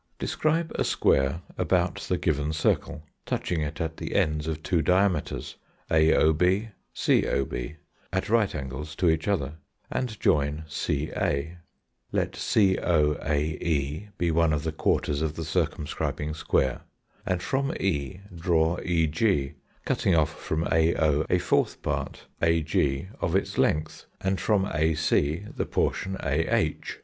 Describe a square about the given circle, touching it at the ends of two diameters, AOB, COB, at right angles to each other, and join CA; let COAE be one of the quarters of the circumscribing square, and from E draw EG, cutting off from AO a fourth part AG of its length, and from AC the portion AH.